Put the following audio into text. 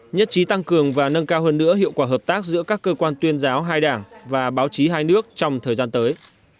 nhất trí tăng cường và nâng cao hơn nữa hiệu quả hợp tác giữa các cơ quan tuyên giáo hai đảng và báo chí hai nước trong thời gian tới